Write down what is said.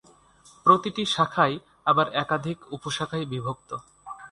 প্রতিটি শাখাই আবার একাধিক উপশাখায় বিভক্ত।